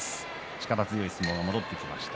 力強い相撲が戻ってきました。